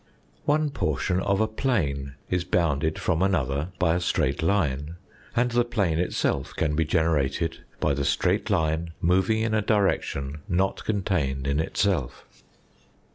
One portion of a plane is bounded from another by a straight line, and the plane itself can be generated by the straight line moving in a direction not contained in itself.